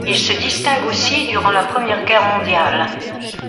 Il se distingue aussi durant la Première Guerre mondiale.